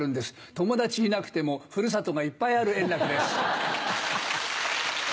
友達いなくても古里がいっぱいある円楽です。